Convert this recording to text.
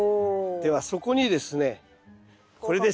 ではそこにですねこれです。